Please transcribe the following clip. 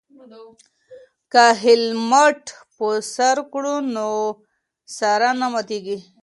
که هیلمټ په سر کړو نو سر نه ماتیږي.